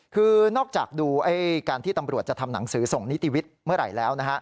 คือนอกจากดูการที่ตำรวจจะทำหนังสือส่งนิติวิทย์เมื่อไหร่แล้วนะฮะ